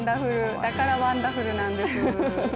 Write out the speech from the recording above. だからワンダフルなんです。